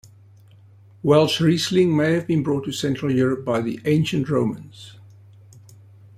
Welschriesling may have been brought to Central Europe by the ancient Romans.